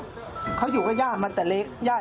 พี่เขาทำอย่างไร